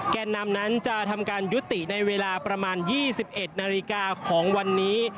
แก่นำนั้นจะทำการยุติในเวลาประมาณ๒๑นาฬิกาของวันนี้